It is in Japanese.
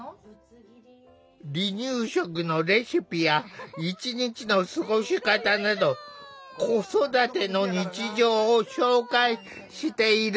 離乳食のレシピや一日の過ごし方など子育ての日常を紹介している。